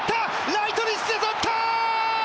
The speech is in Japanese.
ライトにしてとったー！